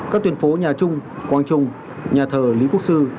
các tuyến phố nhà trung quang trung nhà thờ lý quốc sư